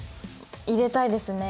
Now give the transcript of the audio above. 入れたいですね。